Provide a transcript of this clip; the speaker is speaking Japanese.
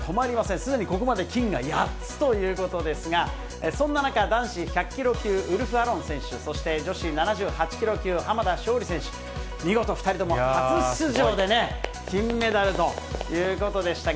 すでにここまで金が８つということですが、そんな中、男子１００キロ級、ウルフ・アロン選手、そして女子７８キロ級、浜田尚里選手、見事２人とも、初出場で金メダルということでしたが。